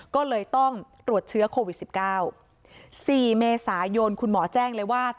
ก็เลยต้องตรวจเชื้อโควิด๑๙๔เมษายนคุณหมอแจ้งเลยว่า